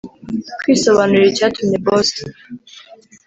kwisobanurira icyatumye boss